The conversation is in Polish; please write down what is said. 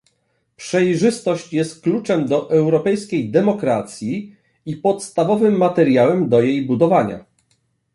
Przejrzystość jest kluczem do europejskiej demokracji i podstawowym materiałem do jej budowania